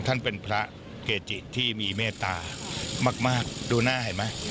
ท่านเป็นพระเกจิที่มีเมตตามากดูหน้าเห็นไหม